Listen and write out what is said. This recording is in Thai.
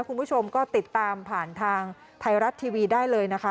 คุณผู้ชมก็ติดตามผ่านทางไทยรัฐทีวีได้เลยนะคะ